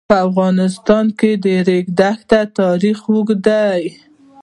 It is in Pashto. په افغانستان کې د د ریګ دښتې تاریخ اوږد دی.